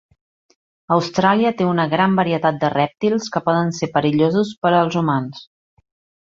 Austràlia té una gran varietat de rèptils que poden ser perillosos per als humans.